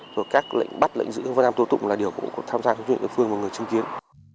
rồi các lệnh bắt lệnh giữ các vấn đảm tố tụng là điều cũng có tham gia của chính quyền địa phương và người chứng kiến